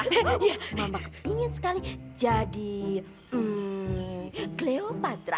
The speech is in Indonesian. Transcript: iya mama ingin sekali jadi cleopatra